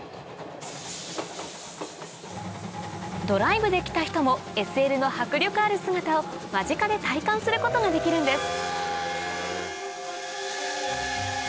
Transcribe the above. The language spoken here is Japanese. ドライブで来た人もＳＬの迫力ある姿を間近で体感することができるんです